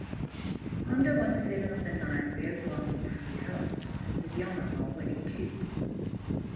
Honda won seven of the nine Rio Grands Prix held, with Yamaha winning two.